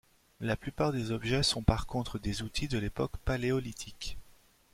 La plupart des objets sont par contre des outils de l'époque paléolithique.